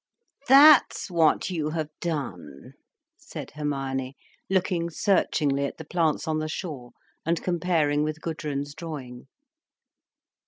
"That's what you have done," said Hermione, looking searchingly at the plants on the shore, and comparing with Gudrun's drawing.